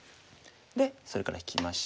それから引きまして。